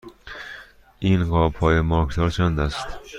این قاب های مارکدار چند است؟